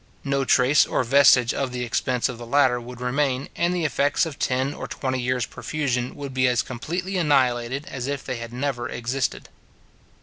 No trace or vestige of the expense of the latter would remain, and the effects of ten or twenty years' profusion would be as completely annihilated as if they had never existed.